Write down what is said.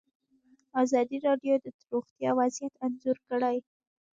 ازادي راډیو د روغتیا وضعیت انځور کړی.